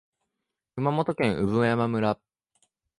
熊本県産山村